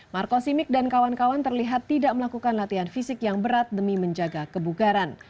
marco simic dan kawan kawan terlihat tidak melakukan latihan fisik yang berat demi menjaga kebugaran